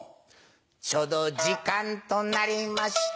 ちょうど時間となりました